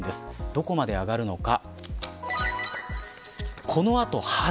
どこまで上がるのか。